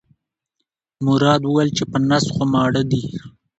مراد وویل چې په نس خو ماړه دي.